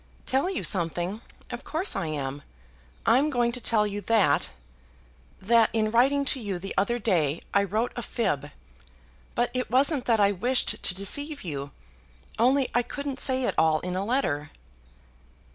"Tell you something; of course I am. I'm going to tell you that, that in writing to you the other day I wrote a fib. But it wasn't that I wished to deceive you; only I couldn't say it all in a letter."